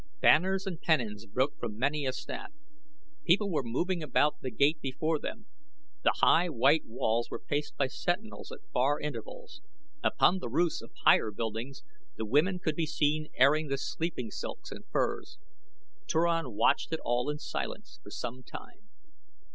Banners and pennons broke from many a staff. People were moving about the gate before them. The high white walls were paced by sentinels at far intervals. Upon the roofs of higher buildings the women could be seen airing the sleeping silks and furs. Turan watched it all in silence for some time.